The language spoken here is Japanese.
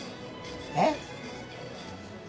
えっ？